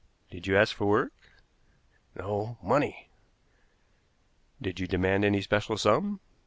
"Did you ask for work?" "No, money." "Did you demand any special sum?"